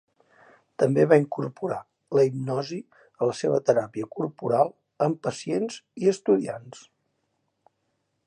També va incorporar la hipnosi a la seva teràpia corporal amb pacients i estudiants.